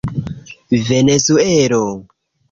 venezuelo